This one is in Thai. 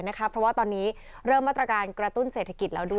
เพราะว่าตอนนี้เริ่มมาตรการกระตุ้นเศรษฐกิจแล้วด้วย